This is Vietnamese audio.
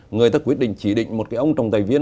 người ta quyết định chỉ định một ông trọng tài viên